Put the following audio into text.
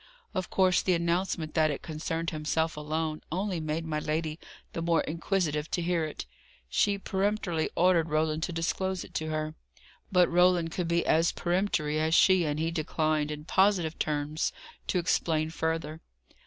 Of course the announcement that it concerned himself alone, only made my lady the more inquisitive to hear it. She peremptorily ordered Roland to disclose it to her. But Roland could be as peremptory as she, and he declined, in positive terms, to explain further.